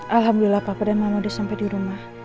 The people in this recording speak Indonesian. alhamdulillah papa dan mama dia sampai di rumah